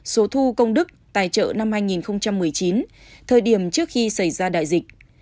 số thu công đức tài trợ năm hai nghìn một mươi chín thời điểm trước khi xảy ra đại dịch